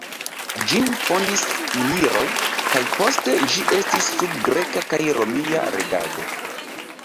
Ĝin fondis iliroj, kaj poste ĝi estis sub greka kaj romia regado.